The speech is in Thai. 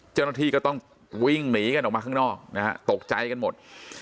เจ้าหน้าที่ก็ต้องวิ่งหนีกันออกมาข้างนอกนะฮะตกใจกันหมด